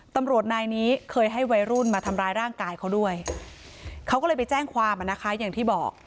ตำรวจนายนี้เคยให้วัยรุ่นมาทำร้ายร่างกายเขาด้วยเขาก็เลยไปแจ้งความอ่ะนะคะอย่างที่บอก